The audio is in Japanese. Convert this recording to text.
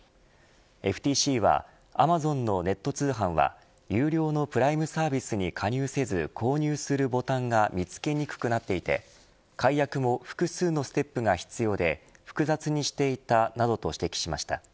ＦＴＣはアマゾンのネット通販は有料のプライムサービスに加入せず購入するボタンが見つけにくくなっていて解約も複数のステップが必要で複雑にしていたなどと指摘しました。